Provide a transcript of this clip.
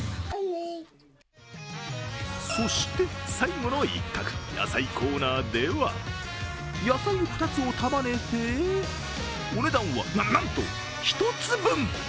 そして最後の一角、野菜コーナーでは野菜２つを束ねて、お値段はな、なんと１つ分！